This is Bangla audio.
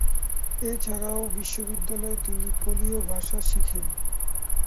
এছাড়াও, বিদ্যালয়ে তিনি পোলীয় ভাষা শিখেন।